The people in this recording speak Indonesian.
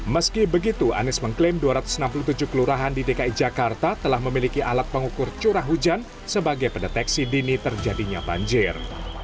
meski begitu anies mengklaim dua ratus enam puluh tujuh kelurahan di dki jakarta telah memiliki alat pengukur curah hujan sebagai pendeteksi dini terjadinya banjir